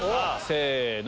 せの。